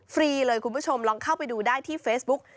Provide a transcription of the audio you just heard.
ฟรีเลยคุณผู้ชมลองเข้าไปดูได้ที่เฟซบุ๊ก